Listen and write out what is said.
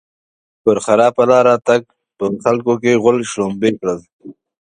پر خراپه لاره تګ؛ په خلګو کې غول شلومبی کړل.